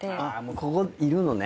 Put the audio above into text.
ここいるのね。